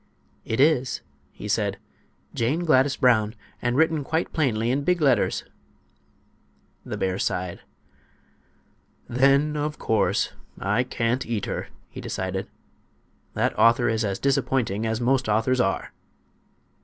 "It is," said he. "'Jane Gladys Brown;' and written quite plainly in big letters." The bear sighed. "Then, of course, I can't eat her," he decided. "That author is as disappointing as most authors are."